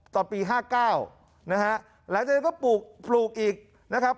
ตอนปี๕๙นะฮะหลังจากนั้นก็ปลูกปลูกอีกนะครับ